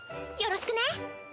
よろしくね！